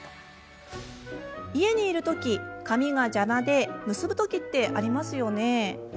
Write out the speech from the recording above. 家にいるとき、髪の毛が邪魔で結ぶときってありますよね？